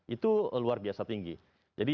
itu luar biasa tinggi jadi